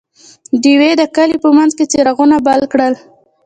ډیوې د کلي په منځ کې څراغونه بل کړل.